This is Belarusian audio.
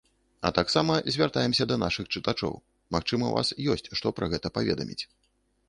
А таксама звяртаемся да нашых чытачоў, магчыма, у вас ёсць што пра гэта паведаміць.